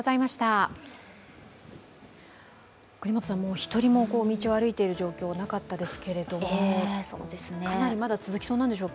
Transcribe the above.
一人も道を歩いている状況なかったですけれども、かなりまだ続きそうなんでしょうか？